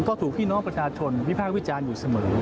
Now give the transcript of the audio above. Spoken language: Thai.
ก็ถูกพี่น้องประชาชนวิพากษ์วิจารณ์อยู่เสมอ